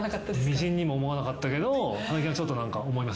みじんにも思わなかったけど最近はちょっと何か思います。